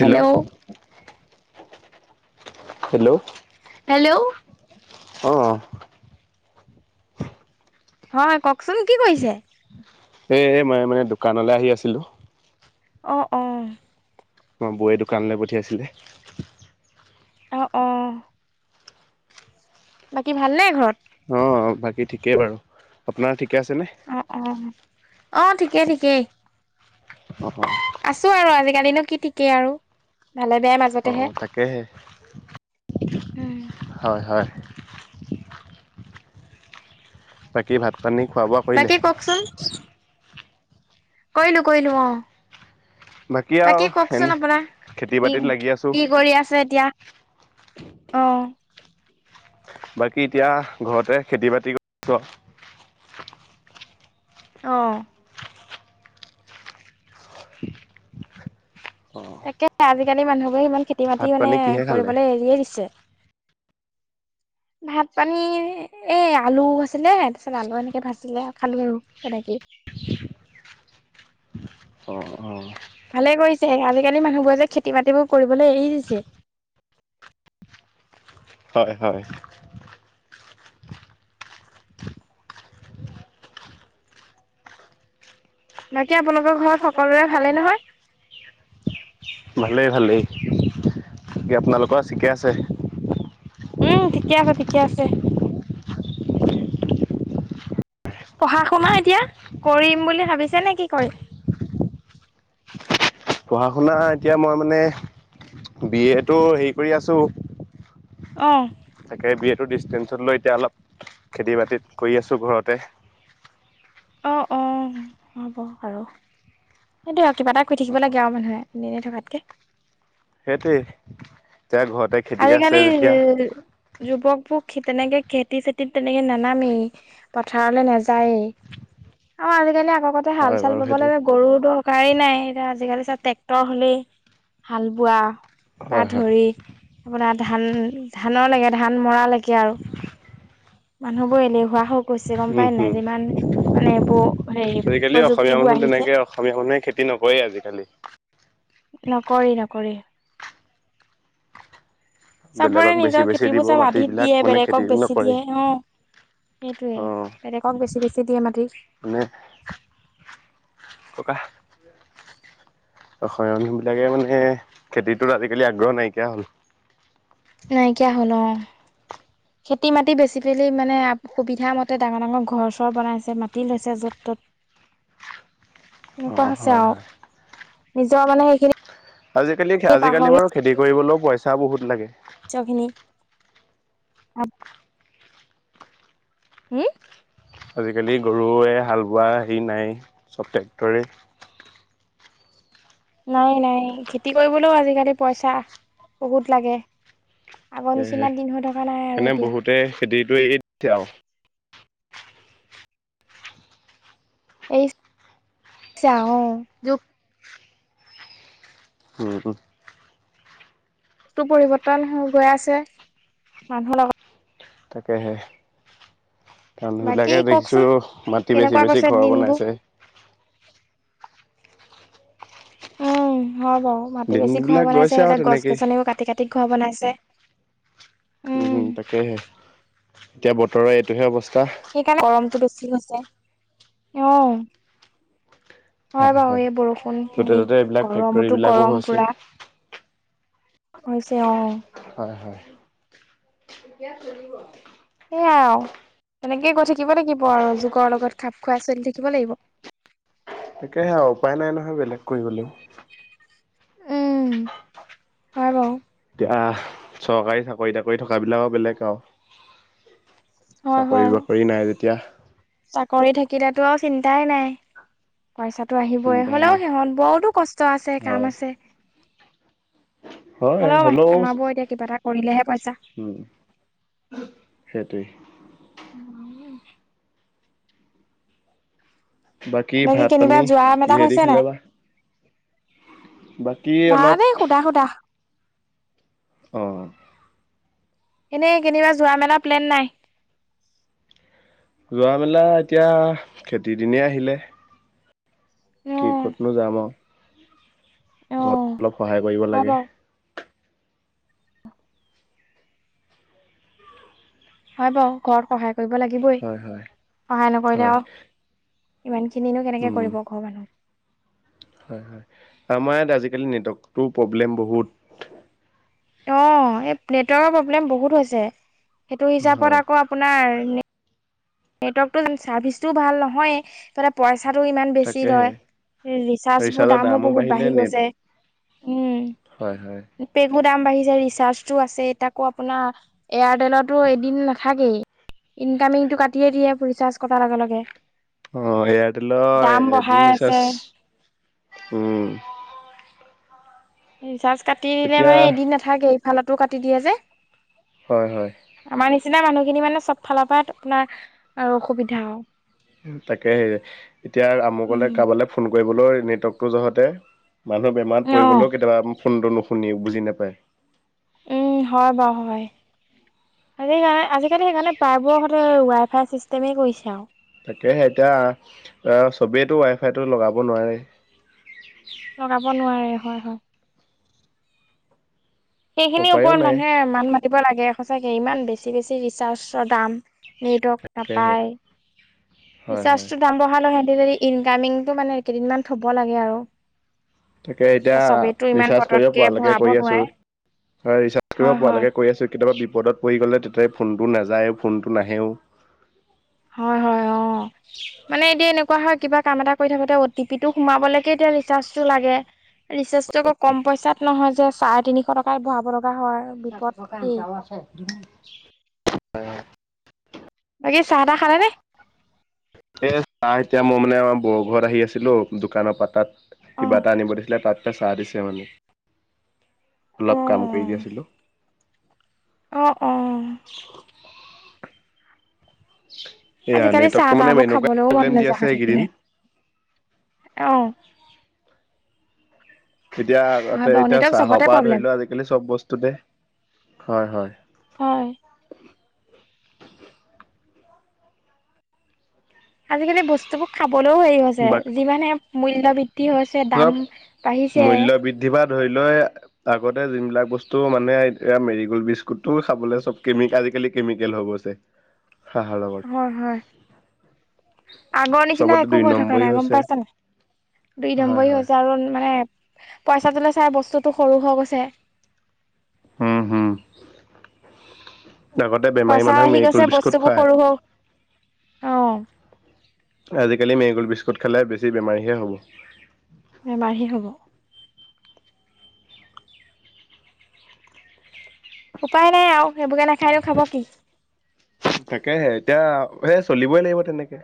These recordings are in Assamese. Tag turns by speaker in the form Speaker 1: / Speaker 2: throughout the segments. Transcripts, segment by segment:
Speaker 1: হেল্ল'
Speaker 2: হেল্ল' হেল্ল' অ'।
Speaker 1: হয় কওকচোন কি কৰিছে?
Speaker 2: এ এ মই মানে দোকানলে আহি আছিলোঁ।
Speaker 1: অ, অ,
Speaker 2: আমাৰ বৌৱে দোকানলে পঠিয়াইছিলে।
Speaker 1: অ', অ'। বাকী ভালনে ঘৰত?
Speaker 2: অঁ বাকী ঠিকে বাৰু, আপোনাৰ ঠিকে আছেনে?
Speaker 1: অ', অ', অ', ঠিকে, ঠিকে।
Speaker 2: অ অ।
Speaker 1: আছো আৰু আজিকালিনো কি ঠিকে আৰু। ভালে বেয়া মাজ
Speaker 2: অ তাকেহে
Speaker 1: উম,
Speaker 2: হয় হয়। বাকী ভাত-পানী খুৱা বোৱা, কৰিলে
Speaker 1: বাকী কওঁকচোন। কৰিলোঁ কৰিলোঁ অ।
Speaker 2: আৰু
Speaker 1: বাকী
Speaker 2: এনে
Speaker 1: কওকচোন আপোনাৰ
Speaker 2: খেতি
Speaker 1: ই
Speaker 2: বাতিত লাগি আছোঁ
Speaker 1: কি কৰি আছে এতিয়া। অ,
Speaker 2: কয় কি এতিয়া, ঘৰতে খেতি-বাতি কৰিছো আৰু।
Speaker 1: অ,
Speaker 2: অ
Speaker 1: তাকে আজি-কালি মানুহ বোৰে খেতি-বাতি
Speaker 2: ভাত
Speaker 1: মানে
Speaker 2: পানী কিহে খালে
Speaker 1: কৰিবলে এৰিয়ে দিছে ভাত পানী এ আলু আছিলে তাৰপছিত আলু এনেকে ভাজিলে খালোঁ আৰু। হয় নেকি।
Speaker 2: অ অ,
Speaker 1: ভালে কৰিছে, আজিকালি মানুহবোৰে যে, খেতি বাতিবোৰ কৰিবলৈ এৰি দিছে।
Speaker 2: হয়, হয়।
Speaker 1: [unintelligible] বাকী আপোনালোকৰ ঘৰত সকলোৰে ভালেই নহয়?
Speaker 2: ভালেই ভালেই, বাকী আপোনালোকৰ ঠিকে আছে?
Speaker 1: উম, ঠিকে আছে ঠিকে আছে। পঢ়া শুনা এতিয়া কৰিম বুলি ভাবিছে নে কি কৰিম
Speaker 2: পঢ়া শুনা এতিয়া মই মানে বি এ টো সেৰি কৰি আছো।
Speaker 1: অ'।
Speaker 2: তাকে বি এ টো ডিষ্টেঞ্চত লৈ এতিয়া অলপ খেতি বাতিত কৰি আছোঁ ঘৰতে।
Speaker 1: অ', অ' হ'ব বাৰু। সেইটো আৰু, কিবা এটা কৰি থাকিব লাগে আৰু মানুহে এনে থকাতকে।
Speaker 2: সেইটোৱেই, এতিয়া ঘৰতে খেতি আছে
Speaker 1: আজিকালি
Speaker 2: যেতিয়া
Speaker 1: যুৱকবোৰ তেনেকে খেতি চেতিত তেনেকে নানামেই। পথাৰলে নাযায়েই আৰু আজিকালি আগৰ কতে হাল
Speaker 2: হয়
Speaker 1: চাল
Speaker 2: বাৰু সেইটো
Speaker 1: বাবলৈ গৰুৰ দৰকাৰেই নাই এতিয়া, আজিকালি চব ট্ৰেক্টৰ হ'লেই হাল বোৱা পা
Speaker 2: হয় হয়
Speaker 1: ধৰি আপোনাৰ ধান ধানলৈকে ধান মৰালৈকে আৰু। মানুহবোৰ এলেহুৱা হৈ গৈছে গ'ম
Speaker 2: উম
Speaker 1: পাই নে
Speaker 2: হম
Speaker 1: যিমান মানে এইবোৰ হেৰি
Speaker 2: আজিকালি অসমীয়া
Speaker 1: প্ৰযুক্তিবোৰ
Speaker 2: মানুহ
Speaker 1: আহিছে।
Speaker 2: তেনেকে অসমীয়া মানুহে খেতি নকৰেই আজিকালি।
Speaker 1: নকৰে নকৰে। চবৰে
Speaker 2: বেলেগক বেছি
Speaker 1: নিজৰ
Speaker 2: বেছি দিব
Speaker 1: খেতিবোৰ চব আধিত
Speaker 2: মাটিবিলাক
Speaker 1: দিয়ে
Speaker 2: মানে খেতি
Speaker 1: বেলেগক বেচি দিয়ে
Speaker 2: নকৰেই
Speaker 1: অ'।
Speaker 2: অ
Speaker 1: সেইটোয়ে, বেলেগক বেছি বেছি দিয়ে মাটি।
Speaker 2: মানে, ককা অসমীয়া মানুহ বিলাকে মানে খেতিটোত আজিকালি আগ্ৰহ নাইকিয়া হ'ল।
Speaker 1: নাইকিয়া হ'ল অ'। খেতি মাতি বেছি পেলি মানে সুবিধামতে ডাঙৰ ডাঙৰ ঘৰ চৰ বনাইছে মাটি লৈছে য'ত ত'ত।
Speaker 2: অ
Speaker 1: এনেকুৱা হৈছে
Speaker 2: হয়
Speaker 1: আৰু,
Speaker 2: হয়
Speaker 1: নিজৰ মানে সেইখিনি
Speaker 2: আজিকালি আজিকালি
Speaker 1: পাহৰি
Speaker 2: বাৰু খেতি কৰিবলৈও পইচা বহুত লাগে।
Speaker 1: নিজৰ খিনি হম হুম?
Speaker 2: আজিকালি গৰুৱে হাল বোৱা হেৰি নাইয়ে, চব ট্ৰেক্টৰেই।
Speaker 1: নাই, নাই খেতি কৰিবলৈও আজিকালি পইচা বহুত লাগে। আগৰ
Speaker 2: এ
Speaker 1: নিচিনাত দিন হৈ থকা নাই আৰু
Speaker 2: এনে
Speaker 1: এতিয়া।
Speaker 2: বহুতে খেতিটো এই দিছে আৰু।
Speaker 1: [unintelligible] চাও
Speaker 2: উ, হু।
Speaker 1: টো পৰিৱৰ্তন হৈ গৈ আছে। মানুহৰ লগত
Speaker 2: তাকে হে।
Speaker 1: বাকী
Speaker 2: মানুহবিলাকে দেখিছোঁ
Speaker 1: কওকচোন
Speaker 2: মাটি বেছি
Speaker 1: কেনেকুৱা
Speaker 2: বেছি
Speaker 1: গৈছে
Speaker 2: ঘৰ
Speaker 1: দিনবোৰ
Speaker 2: বনাইছে।
Speaker 1: উম, হয় বাৰু, মাটি
Speaker 2: দিন
Speaker 1: বেছি ঘৰ
Speaker 2: বিলাক
Speaker 1: বনাইছে,
Speaker 2: গৈছে আৰু
Speaker 1: এইবিলাক গছ
Speaker 2: তেনেকেই
Speaker 1: গছনিও কাটি কাটি ঘৰ বনাইছে।
Speaker 2: উম, হুম। তাকে হে এতিয়া বতৰৰ এইটোহে অৱস্থা।
Speaker 1: সেইকাৰণে গৰমতটো বেছি হৈছে, অ'। হয় বাৰু, এই বৰষুণ
Speaker 2: ত'তে
Speaker 1: এই
Speaker 2: ত'তে এইবিলাক ফেক্টৰী
Speaker 1: গৰমতো
Speaker 2: বিলাকো
Speaker 1: গৰম
Speaker 2: হৈছে
Speaker 1: পুৰা। হৈছে অ'।
Speaker 2: হয়, হয়।
Speaker 1: সেয়াই আৰু তেনেকেই গৈ থাকিব লাগিব আৰু যুগৰ লগত খাপ খুৱাই চলি থাকিব লাগিব
Speaker 2: তাকে সেয়া আৰু উপায় নাই নহয় বেলেগ কৰিবলেও
Speaker 1: উম, হয় বাৰু।
Speaker 2: আহ চৰকাৰী চাকৰি তাকৰি থকা বিলাকৰ বেলেগ আৰু।
Speaker 1: হয়
Speaker 2: চাকৰি
Speaker 1: হয়,
Speaker 2: বাকৰি নাই যেতিয়া
Speaker 1: চাকৰি থাকিলেতো আৰু চিন্তাই নাই। পইচাটো আহিবই
Speaker 2: চিন্তাই
Speaker 1: হ'লেও
Speaker 2: নাই
Speaker 1: সিহঁত বহুতো কষ্ট আছে কাম
Speaker 2: হয়
Speaker 1: আছে। হ'লেও আমাৰবোৰৰ এতিয়া কিবা এটা কৰিলেহে পইচা।
Speaker 2: উম, সেইটোৱেই।
Speaker 1: [unintelligible]
Speaker 2: বাকী
Speaker 1: বাকি
Speaker 2: ভাত
Speaker 1: কেনিবা
Speaker 2: পানী
Speaker 1: যোৱা মেলা
Speaker 2: কিহেদি
Speaker 1: হৈছে
Speaker 2: খালে
Speaker 1: নাই
Speaker 2: বা বাকী অলপ
Speaker 1: [unintelligible] সুধা সুধা।
Speaker 2: অ।
Speaker 1: এনেই কেনিবা যোৱা মেলা প্লেন নাই?
Speaker 2: যোৱা মেলা এতিয়া খেতি দিনেই আহিলে।
Speaker 1: অ
Speaker 2: কি কতনো যাম আৰু।
Speaker 1: অ
Speaker 2: ঘৰত অলপ সহায় কৰিব
Speaker 1: হয়
Speaker 2: লাগে।
Speaker 1: বাৰু হয় বাৰু ঘৰত সহায় কৰিব লাগিবই,
Speaker 2: হয় হয়
Speaker 1: সহায় নকৰিলে
Speaker 2: হয়
Speaker 1: আৰু ইমানখিনিনো কেনেকৈ
Speaker 2: উম
Speaker 1: কৰিব ঘৰৰ মানুহ।
Speaker 2: হয় হয় আমাৰ ইয়াত আজিকালি নেটৱৰ্কটো প্ৰব্লেম বহুত।
Speaker 1: অ এই নেটৱৰ্কৰ প্ৰব্লেম বহুত হৈছে, সেইটো
Speaker 2: হয়
Speaker 1: হিচাপত আকৌ আপোনাৰ নেটৱৰ্কটো ছাৰ্ভিচটোও ভাল নহয়েই, ইফালে পইচাটো ইমান বেছি
Speaker 2: তাকেহে
Speaker 1: লয় ৰিচাৰ্জ বোৰ
Speaker 2: ৰিচাৰ্জৰ
Speaker 1: দামো বহুত
Speaker 2: বাঢ়িলে
Speaker 1: বাঢ়ি
Speaker 2: নেট
Speaker 1: গৈছে। উম
Speaker 2: হয় হয়।
Speaker 1: পেকো দাম বাঢ়িছে ৰিচাৰ্জটো আছেই তাকো আপোনাৰ এয়াৰটেলতো এদিন নাথাকেই ইনকামিংটো কাট দিয়ে দিয়ে ৰিচাৰ্জ কটাৰ লগে লগে।
Speaker 2: অ এয়াৰটেলৰ
Speaker 1: দাম বঢ়াই
Speaker 2: এদিন
Speaker 1: আছে
Speaker 2: ৰিচাৰ্জ উম
Speaker 1: ৰিচাৰ্জ কাটি দিলে
Speaker 2: এতিয়া
Speaker 1: মানে এদিন নাথাকেই এইফালতো কাটি দিয়ে যে।
Speaker 2: হয় হয়।
Speaker 1: আমাৰ নিচিনা মানুহখিনি মানে চব ফালৰ পৰা আপোনাৰ অসুবিধা আৰু।
Speaker 2: তাকে সে এতিয়া আমুকলে
Speaker 1: উম।
Speaker 2: কাৰবালৈ ফোন কৰিবলৈ নেটৱৰ্কটো যহতে মানুহ বেমাৰত পৰি
Speaker 1: অ'
Speaker 2: গ'লেও কেতিয়াবা ফোনটো নুশুনি বুজি নাপায়।
Speaker 1: উম হয় বাৰু হয়। আজ সেইকাৰণে আজিকালি সেইকাৰণে পাইপবোৰৰ সদতে ৱাই ফাই ছিষ্টেমেই কৰিছে আৰু।
Speaker 2: তাকেহে এতিয়া চবেইেতো ৱাইফাইটো লগাব নোৱাৰে।
Speaker 1: লগাব নোৱাৰে হয় হয়। সেইখিনিৰ
Speaker 2: উপায়ো
Speaker 1: ওপৰত
Speaker 2: নাই
Speaker 1: মানুহে মাত মাতিব লাগে সচাকে ইমান বেছি বেছি ৰিচাৰ্জৰ দাম। নেটৱৰ্ক
Speaker 2: তাকেহে
Speaker 1: নাপায়,
Speaker 2: হয় হয়
Speaker 1: ৰিচাৰ্জটো দাম বঢ়ালওঁ সিহঁতে যদি ইনকামিংটো মানে কেইদিনমান থ'ব লাগে আৰু।
Speaker 2: তাকে এতিয়া
Speaker 1: চবেইতো ইমান
Speaker 2: ৰিচাৰ্জ কৰিব
Speaker 1: পতককে
Speaker 2: পৰালৈকে
Speaker 1: ভৰাব
Speaker 2: কৰি আছো
Speaker 1: নোৱাৰে
Speaker 2: হয় ৰিচাৰ্জ
Speaker 1: হয়
Speaker 2: কৰিব
Speaker 1: হয়
Speaker 2: পৰালৈকে কৰি আছো। কেতিয়াবা বিপদত পৰি গ'লে তেতিয়া ফোনটো নাযায়ও ফোনটো নাহেও।
Speaker 1: হয় হয় অ, মানে এতিয়া এনেকুৱা হয় কিবা কাম এটা কৰি থাকোতে অ টি পি টো সোমাবলৈকে এতিয়া ৰিচাৰ্জটো লাগে ৰিচাৰ্জ টো আকৌ কম পইচাত নহয় যে চাৰে তিনিশ টকাত ভৰাব লগা হয় বিপদ দেই
Speaker 2: [unintelligible]
Speaker 1: বাকী চাহ তাহ খালে নে?
Speaker 2: এ চাহ এতিয়া মই মানে আমাৰ বৌ ঘৰত আহি আছিলো দোকানৰ পৰা তাত
Speaker 1: অ
Speaker 2: কিবা এটা আনিব দিছিলে তাতে চাহ দিছে, মানে
Speaker 1: অ
Speaker 2: অলপ কাম কৰি দি আছিলোঁ।
Speaker 1: অ অ।
Speaker 2: এয়া
Speaker 1: আজিকালি
Speaker 2: নেটৱৰ্কটো
Speaker 1: চাহ
Speaker 2: মানে
Speaker 1: তাহবোৰ
Speaker 2: এনেকুৱা
Speaker 1: খাবলৈও মন
Speaker 2: প্ৰব্লেম দি
Speaker 1: নাযায়
Speaker 2: আছে
Speaker 1: হৈ
Speaker 2: এইকেইদিন
Speaker 1: থাকিলে আহ।
Speaker 2: এতিয়া
Speaker 1: হয়
Speaker 2: আগতে
Speaker 1: বাৰু
Speaker 2: এতিয়া
Speaker 1: নিতক
Speaker 2: চাহৰ
Speaker 1: চবতে
Speaker 2: পৰা
Speaker 1: প্ৰব্লেম
Speaker 2: ধৰি লোৱা আজিকালি চব বস্তুতে খোৱা হয়।
Speaker 1: হয় আজিকালি বস্তুবোৰ খাবলৈও হেৰি হৈছে
Speaker 2: বাক
Speaker 1: যিমানে মূল্য বৃ বৃদ্ধি হৈছে দাম বাঢ়িছে।
Speaker 2: কিবা ধৰি লয় আগতে যোন বিলাক বস্তু মানে এতিয়া মেৰি গ'ল্ড বিস্কুটটো খাবলৈ চব কেমিকেল আজিকালি কেমিকেল হৈ গৈছে। হাঁহৰ লগত
Speaker 1: হয় হয়। আগৰ নিচিনা
Speaker 2: চবতে
Speaker 1: একো
Speaker 2: দুই
Speaker 1: হৈ থকা
Speaker 2: নম্বৰী
Speaker 1: নাই গম
Speaker 2: হৈছে
Speaker 1: পাইছা নাই। দুই
Speaker 2: হয়
Speaker 1: নম্বৰি
Speaker 2: হয়
Speaker 1: হৈছে আৰু মানে পইচাটোলে চাই বস্তুটো সৰু হৈ গৈছে।
Speaker 2: উম হম আগতে বেমাৰী
Speaker 1: পইচাও
Speaker 2: মানুহক
Speaker 1: আহি গৈছে
Speaker 2: মেৰিগোল বিস্কুট খুৱায়।
Speaker 1: অঁ।
Speaker 2: আজিকালি মেৰীগল বিস্কুট খালে বেছি বেমাৰীহে হ'ব।
Speaker 1: বেমাৰি হ'ব। উপায় নাই আৰু সেইবোৰকে নাখাই নো খাব কি?
Speaker 2: তাকেহে এতিয়া সে চলিবই লাগিব তেনেকে।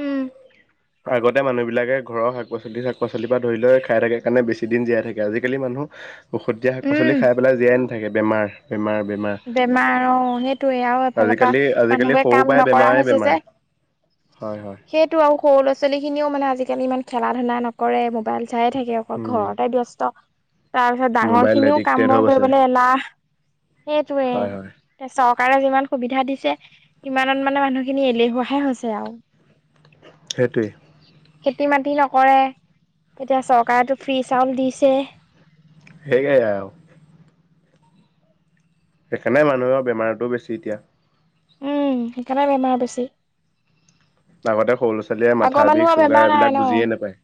Speaker 1: উম
Speaker 2: আগতে মানুহ বিলাকে ঘৰৰ শাক পাচলি শাক পাচলিৰ পৰা ধৰি লৈ খাই থাকে কাৰণে বেছি দিন জীয়াই থাকে আজিকালি মানুহ ঔষধ দিয়া শাক পাচলি
Speaker 1: উম
Speaker 2: খাই পেলাই জীয়াই নাথাকে বেমাৰ বেমাৰ।
Speaker 1: বেমাৰ অ সেইটো। আৰু এইফালে এফালৰ
Speaker 2: আজিকালি
Speaker 1: পৰা
Speaker 2: আজিকালি
Speaker 1: মানুহবোৰে
Speaker 2: সৰু
Speaker 1: কাম
Speaker 2: পৰাই
Speaker 1: নকৰা
Speaker 2: বেমাৰে
Speaker 1: হৈছে যে।
Speaker 2: বেমাৰ। হয় হয়।
Speaker 1: সেইটো আৰু সৰু ল'ৰা ছোৱালীখিনিও মানে আজিকালি ইমান খেলা ধূলা নকৰে মোবাইল চায় থাকে আৰু।
Speaker 2: উম
Speaker 1: ঘৰতে ব্যস্ত তাৰপিছত ডাঙৰ
Speaker 2: মোবাইল
Speaker 1: খিনিও কাম
Speaker 2: এডিক্টেড হৈ
Speaker 1: বন
Speaker 2: গৈছে।
Speaker 1: কৰিবলৈ এলাহ।
Speaker 2: হয় হয়।
Speaker 1: সেইটোৱেই। চৰকাৰে যিমান সুবিধা দিছে সিমানত মানে মানুহখিনি এলেহুৱাহে হৈছে আৰু। [inaudible]
Speaker 2: সেইটোৱেই।
Speaker 1: খেতি মাতি নকৰে এতিয়া চৰকাৰেতো ফ্ৰী চাউল দিছে।
Speaker 2: সেয়াই আৰু। সেইকাৰণে মানুহৰ বেমাৰতো বেছি এতিয়া।
Speaker 1: উম সেইকাৰণে বেমাৰ বেছি।
Speaker 2: আগতে সৰু'ছোৱালীয়ে
Speaker 1: আগৰ
Speaker 2: মাথা বিষ
Speaker 1: মানুহৰ
Speaker 2: চুগাৰ
Speaker 1: বেমাৰ নাই
Speaker 2: এইবিলাক
Speaker 1: ন
Speaker 2: বুজিয়ে নাপায়।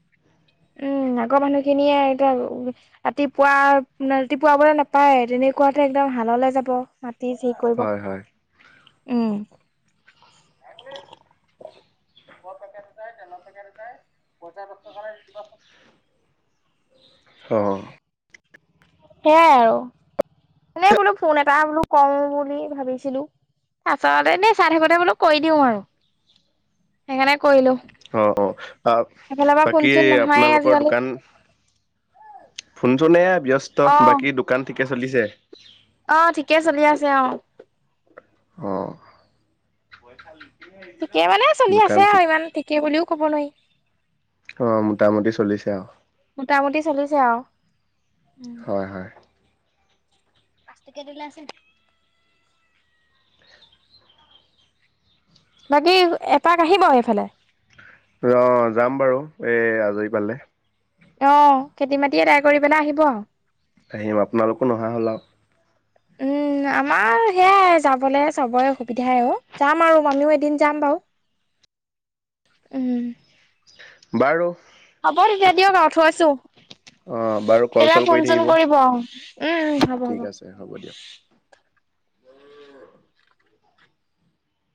Speaker 1: উম আগৰ মানুহ খিনিয়ে এতিয়া ৰাতিপুৱা ৰাতিপুৱা বলে নাপায় তেনেকুৱাতে একদম হাললে যাব। জি তি কৰিব
Speaker 2: হয় হয়।
Speaker 1: উম। [inaudible]
Speaker 2: অঁ।
Speaker 1: সেয়াই আৰু এনেই বোলো ফোন এটা বোলো কৰো বুলি ভাবিছিলোঁ। তাৰপিছত এনেই চাই থাকোতে বোলো কৰি দিও আৰু সেইকাৰণে কৰিলোঁ।
Speaker 2: অ অ আহ বাকী
Speaker 1: চোন নহয়ে
Speaker 2: আপোনালোকৰ
Speaker 1: আজিকালি
Speaker 2: দোকান ফোনচোননে ব্যস্ত
Speaker 1: অ
Speaker 2: বাকী দোকান ঠিকে চলিছে?
Speaker 1: অ ঠিকে চলি আছে অ।
Speaker 2: অ।
Speaker 1: ঠিকেই মানে চলি আছে
Speaker 2: দোকান
Speaker 1: আৰু
Speaker 2: ঠিক
Speaker 1: ইমান ঠিকে বুলিও কব নোৱাৰি।
Speaker 2: অ' মোটামুটি চলিছে আউ।
Speaker 1: মোটামুটি চলিছে আউ
Speaker 2: হয় হয়।
Speaker 1: পাঁচটকীয়া [unintelligible] আছে নে নাই। বাকী এপাক আহিব এইফালে।
Speaker 2: ৰ' যাম বাৰু এই আজৰি পালে।
Speaker 1: অ' খেতি মাটি আদাই কৰি পেলাই আহিব।
Speaker 2: আহিম। আপোনালোকো নোহা হ'ল আউ।
Speaker 1: উম আমাৰ সেয়াই যাবলে চবৰে অসুবিধাই অ, যাম আৰু আমিও এদিন যাম বাউ। উম।
Speaker 2: বাৰু।
Speaker 1: হব এতিয়া দিয়ক আৰু থৈছোঁ।
Speaker 2: অ বাৰু কল চল
Speaker 1: [unintelligible]
Speaker 2: কৰি
Speaker 1: ফোন চুন
Speaker 2: থাকিব
Speaker 1: কৰিব, উম উম
Speaker 2: অ
Speaker 1: হব হ'ব।
Speaker 2: ঠিক হ'ব দিয়ক।